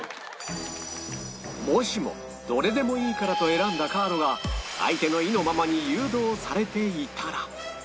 もしもどれでもいいからと選んだカードが相手の意のままに誘導されていたら